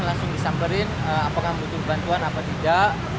langsung disamperin apakah butuh bantuan apa tidak